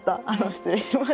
失礼します。